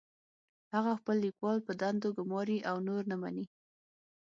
هغه خپل کلیوال په دندو ګماري او نور نه مني